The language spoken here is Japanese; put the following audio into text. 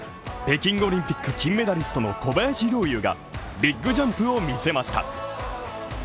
北京オリンピック金メダリストの小林陵侑が、ビッグジャンプを見せました。